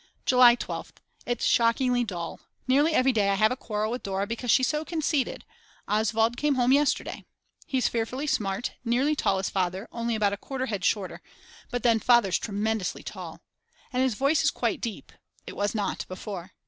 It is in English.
July 12th. It's shockingly dull. Nearly every day I have a quarrel with Dora because she's so conceited Oswald came home yesterday. He's fearfully smart nearly as tall as Father only about a quarter head shorter, but then Father's tremendously tall. And his voice is quite deep, it was not before.